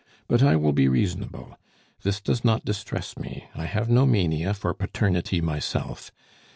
But I will be reasonable; this does not distress me, I have no mania for paternity myself.